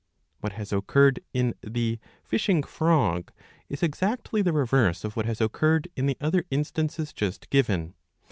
What has occurred in the Fishing frog,^ is exactly the reverse of what has occurred in the other instances just given.